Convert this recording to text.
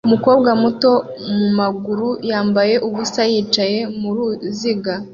Umukobwa muto mumaguru yambaye ubusa yicaye muruziga